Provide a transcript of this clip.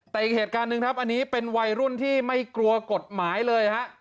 แต่อีกเหตุการณ์หนึ่งครับอันนี้เป็นวัยรุ่นที่ไม่กลัวกฎหมายเลยฮะ